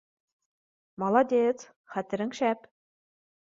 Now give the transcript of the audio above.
Молодец, хәтерең шәп